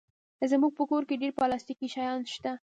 زموږ په کور کې ډېر پلاستيکي شیان شته.